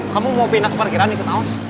kamu mau pindah ke parkiran ikut aos